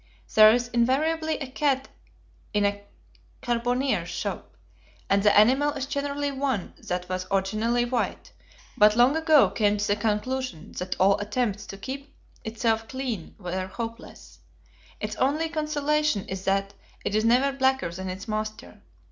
There is invariably a cat in a charbonnier's shop, and the animal is generally one that was originally white, but long ago came to the conclusion that all attempts to keep itself clean were hopeless. Its only consolation is that it is never blacker than its master.